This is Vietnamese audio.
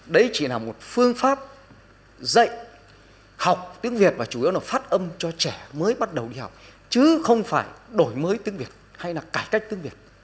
đấy chỉ là một phương pháp dạy học tiếng việt và chủ yếu là phát âm cho trẻ mới bắt đầu đi học chứ không phải đổi mới tiếng việt hay là cải cách tiếng việt